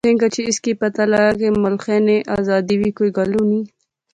ایتھیں گچھی اس کی پتہ لغا کہ ملخے نی آزادی وی کوئی گل ہونی